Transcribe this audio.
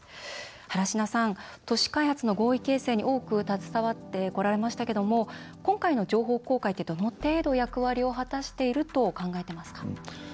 原科さん、都市開発の合意形成に多く携わってまいりましたが今回の情報公開ってどの程度、役割を果たしていると考えていますか？